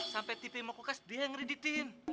sampai tv mokokas dia yang kreditin